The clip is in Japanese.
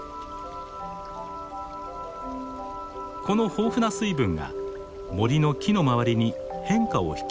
この豊富な水分が森の木の周りに変化を引き起こします。